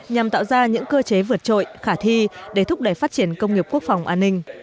nhằm tạo ra những cơ chế vượt trội khả thi để thúc đẩy phát triển công nghiệp quốc phòng an ninh